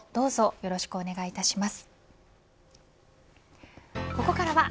よろしくお願いします。